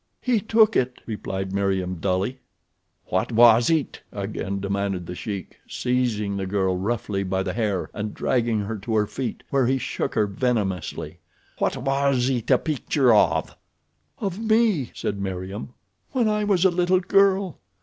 "He took it," replied Meriem, dully. "What was it?" again demanded The Sheik, seizing the girl roughly by the hair and dragging her to her feet, where he shook her venomously. "What was it a picture of?" "Of me," said Meriem, "when I was a little girl.